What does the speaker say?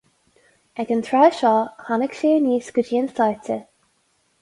Ag an tráth seo, tháinig sé aníos go dtí an stáitse.